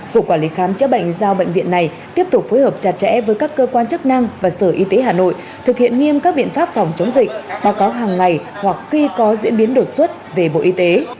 cục quản lý khám chữa bệnh giao bệnh viện này tiếp tục phối hợp chặt chẽ với các cơ quan chức năng và sở y tế hà nội thực hiện nghiêm các biện pháp phòng chống dịch báo cáo hàng ngày hoặc khi có diễn biến đột xuất về bộ y tế